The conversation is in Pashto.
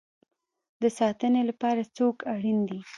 د ساتنې لپاره څوک اړین دی؟